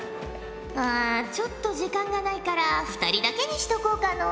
あちょっと時間がないから２人だけにしとこうかのう。